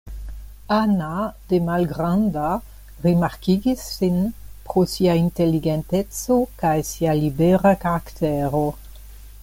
Ana de malgranda rimarkigis sin pro sia inteligenteco kaj sia libera karaktero.